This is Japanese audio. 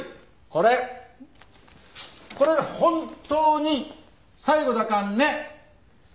これが本当に最後だからね！